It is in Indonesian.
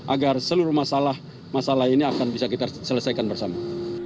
agar seluruh masalah masalah ini akan bisa kita selesaikan bersama